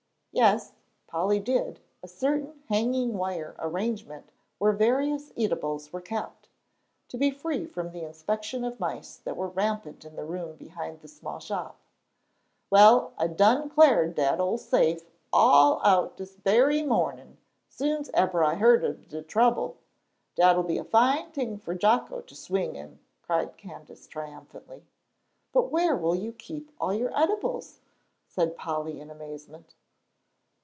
"Yes," Polly did, a certain hanging wire arrangement where various eatables were kept, to be free from the inspection of mice that were rampant in the room behind the small shop. "Well, I done clared dat ole safe all out dis berry mornin', soon's eber I heard ob de trouble. Dat'll be a fine t'ing for Jocko to swing in," cried Candace, triumphantly. "But where will you keep all your eatables?" said Polly, in amazement.